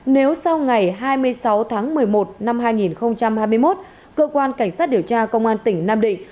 nếu sau ngày hai mươi sáu tháng một mươi một năm hai nghìn hai mươi một cơ quan cảnh sát điều tra công an tỉnh nam định